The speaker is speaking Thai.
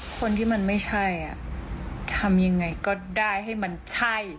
คนที่มันไม่ใช่ทำยังไงก็ได้ให้มันใช่